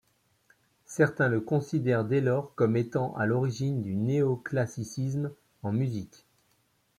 Certains le considèrent dès lors comme étant à l'origine du néoclassicisme en musique.